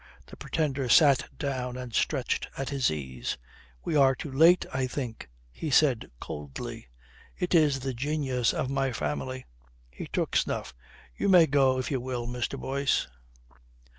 The Pretender sat down and stretched at his ease. "We are too late, I think," he said coldly. "It is the genius of my family." He took snuff. "You may go, if you will, Mr. Boyce."